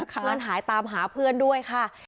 เพื่อนหายตามหาเพื่อนด้วยค่ะ